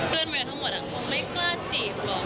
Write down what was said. เพื่อนเมริกาทั้งหมดอ่ะเขาไม่กล้าจีบหรอก